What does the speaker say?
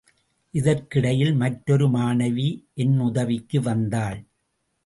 இதற்கிடையில் மற்றொரு மாணவி என் உதவிக்கு வந்தாள்.